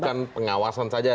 bukan pengawasan saja